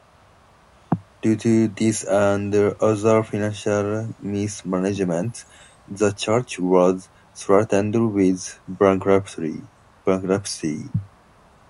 Due to this and other financial mismanagement, the church was threatened with bankruptcy.